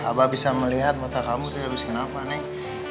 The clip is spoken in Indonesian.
abah bisa melihat mata kamu tuh abis kenapa neng